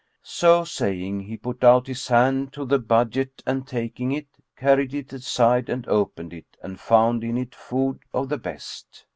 So saying, he put out his hand to the budget and taking it, carried it aside and opened it and found in it food of the best.